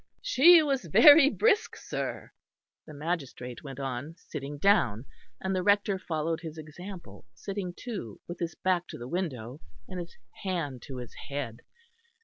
"She was very brisk, sir," the magistrate went on, sitting down, and the Rector followed his example, sitting too with his back to the window and his hand to his head.